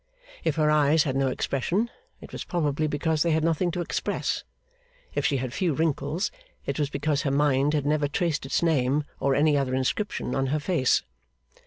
If her eyes had no expression, it was probably because they had nothing to express. If she had few wrinkles, it was because her mind had never traced its name or any other inscription on her face.